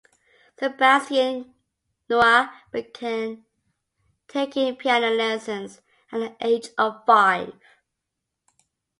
Sebastian Knauer began taking piano lessons at the age of five.